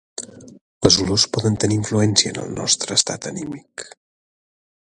Les olors poden tenir influència en el nostre estat anímic